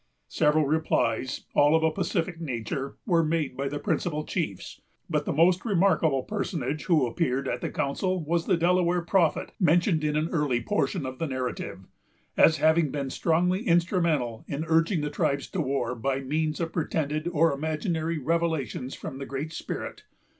Several replies, all of a pacific nature, were made by the principal chiefs; but the most remarkable personage who appeared at the council was the Delaware prophet mentioned in an early portion of the narrative, as having been strongly instrumental in urging the tribes to war by means of pretended or imaginary revelations from the Great Spirit.